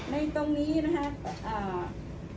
ในตรงนี้นะครับ